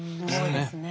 そうですね。